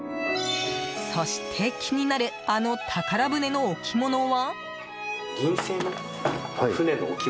そして、気になるあの宝船の置物は？